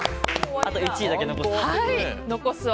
あと１位だけ残して。